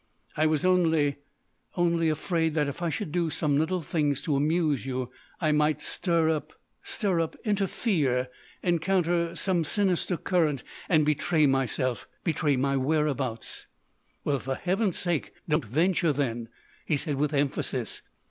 "I was only—only afraid—that if I should do some little things to amuse you, I might stir—stir up—interfere—encounter some sinister current—and betray myself—betray my whereabouts——" "Well, for heaven's sake don't venture then!" he said with emphasis.